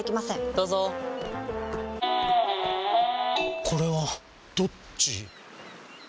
どうぞこれはどっち？